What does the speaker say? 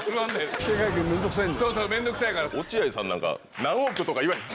落合さんなんか何億とか言わへん。